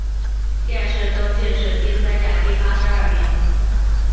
殿试登进士第三甲第八十二名。